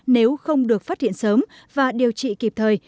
nếu không được phát hiện sớm và điều trị kịp thời